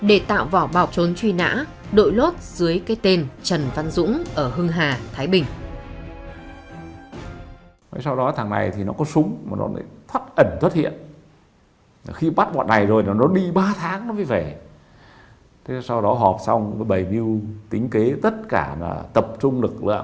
để tạo vỏ bọc trốn truy nã đội lốt dưới cái tên trần văn dũng